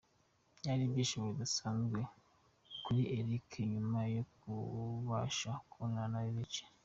Byari ibyishimo bidasanzwe kuri Erica nyuma yo kubasha kubonana na Lil G.